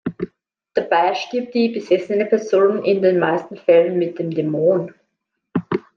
Dabei stirbt die besessene Person in den meisten Fällen mit dem Dämon.